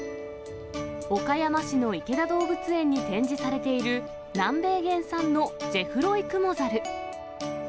岡山市の池田動物園に展示されている、南米原産のジェフロイクモザル。